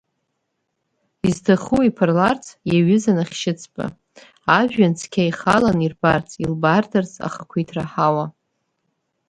Изҭаху иԥырларц, иаҩызан ахьшьыцба, ажәҩан цқьа ихалан ирбарц, илбаардарц ахақәиҭра ҳауа.